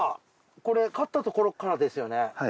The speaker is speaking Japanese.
これ刈ったところからですよね。